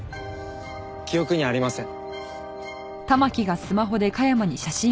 記憶にありません。